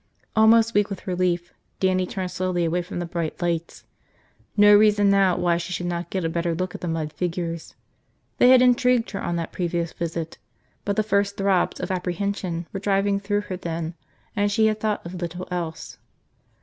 Almost weak with relief, Dannie turned slowly away from the bright lights. No reason now why she should not get a better look at the mud figures. They had intrigued her on that previous visit, but the first throbs of apprehension were driving through her then and she had thought of little else.